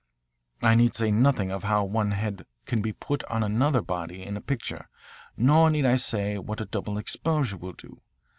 "I need say nothing of how one head can be put on another body in a picture, nor need I say what a double exposure will do.